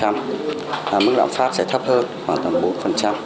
mức lãng pháp sẽ thấp hơn khoảng bốn